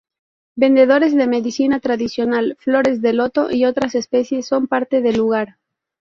Vendedores de medicina tradicional, flores de loto y otras especies son parte del lugar.